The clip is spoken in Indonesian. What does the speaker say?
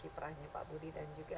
kiprahnya pak budi dan juga